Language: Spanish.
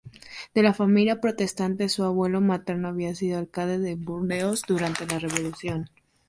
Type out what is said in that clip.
De familia protestante, su abuelo materno había sido alcalde de Burdeos durante la Revolución.